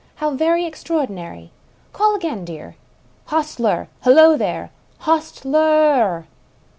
How very extraordinary I Call again, dear." "Hostler! Hullo, there! Hostler r r